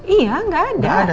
iya gak ada